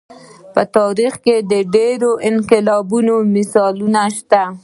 په تاریخ کې د ډېرو انقلابونو مثالونه شته.